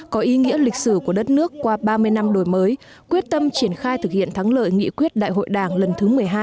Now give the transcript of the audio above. có ý nghĩa lịch sử của đất nước qua ba mươi năm đổi mới quyết tâm triển khai thực hiện thắng lợi nghị quyết đại hội đảng lần thứ một mươi hai